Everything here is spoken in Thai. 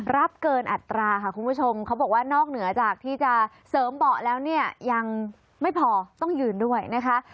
รับเกินอัตราค่ะคุณผู้ชมเขาบอกว่านอกเหนือจากที่จะเสริมเบาะแล้วเนี่ยยังไม่พอต้องยืนด้วยนะคะ